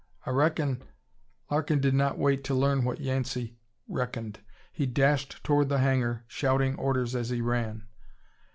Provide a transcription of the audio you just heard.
I reckon " Larkin did not wait to learn what Yancey reckoned. He dashed toward the hangar, shouting orders as he ran.